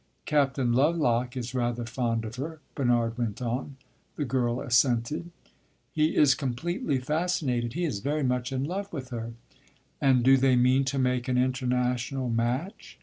"Captain Lovelock is rather fond of her," Bernard went on. The girl assented. "He is completely fascinated he is very much in love with her." "And do they mean to make an international match?"